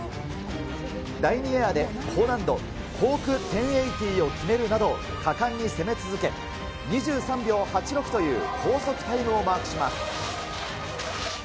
第２エアで高難度、コーク１０８０を決めるなど、果敢に攻め続け、２３秒８６という高速タイムをマークします。